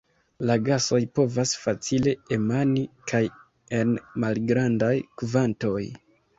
La gasoj povas facile emani kaj en malgrandaj kvantoj.